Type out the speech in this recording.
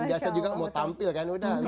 biasanya juga mau tampil kan